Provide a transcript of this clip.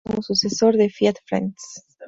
Se creó como sucesor del Fiat France.